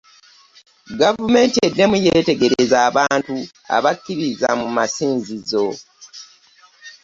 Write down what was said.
Gavumenti eddemu yetegereza abantu abakkiriza mu masinzizo.